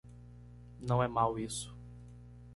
Não é mau isso